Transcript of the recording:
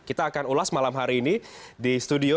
kita akan ulas malam hari ini di studio